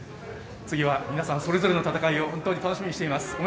次は皆さん、それぞれの戦いを本当に楽しみにしています。